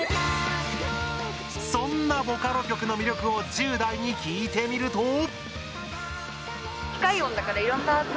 そんなボカロ曲の魅力を１０代に聞いてみると。